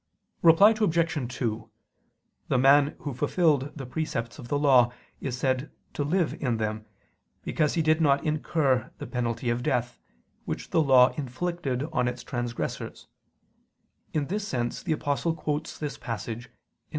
Reply Obj. 2: The man who fulfilled the precepts of the Law is said to live in them, because he did not incur the penalty of death, which the Law inflicted on its transgressors: in this sense the Apostle quotes this passage (Gal.